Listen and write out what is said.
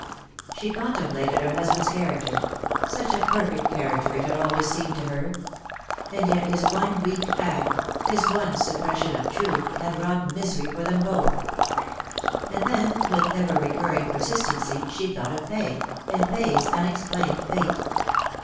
She contem plated her husband's character such a perfect character it had always seemed to her ; and yet his one weak act, his one suppression of truth, had wrought misery for them both. And then with ever recurring persistency she thought of Fay, and Fay's unexplained fate.